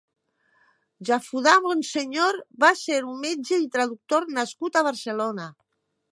Jafudà Bonsenyor va ser un metge i traductor nascut a Barcelona.